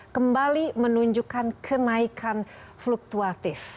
kembali menunjukkan kenaikan fluktuatif